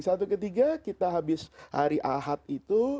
satu ketiga kita habis hari ahad itu